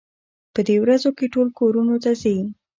په دې ورځو کې ټول کورونو ته ځي.